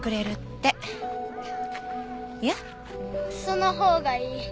そのほうがいい。